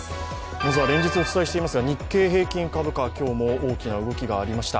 まずは連日お伝えしていますが、日経平均株価、動きがありました。